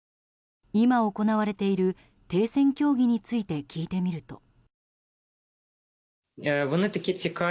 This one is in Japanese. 今行われている停戦協議について聞いてみると。